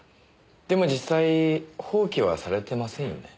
でも実際放棄はされてませんよね。